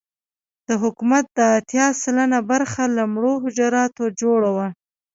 د حکومت دا اتيا سلنه برخه له مړو حجراتو جوړه وه.